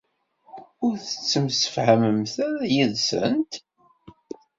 Ur tettemsefhameḍ ara yid-sent?